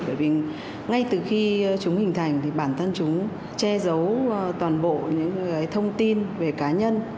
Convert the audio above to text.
bởi vì ngay từ khi chúng hình thành thì bản thân chúng che giấu toàn bộ những thông tin về cá nhân